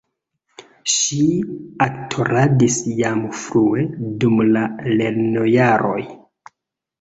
Ŝi aktoradis jam frue dum la lernojaroj.